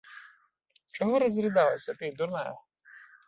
Чаго разрыдалася ты, дурная?